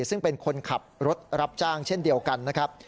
ซึ่งเป็นคนขับรถรับจ้างเช่นเดียวกันนะครับ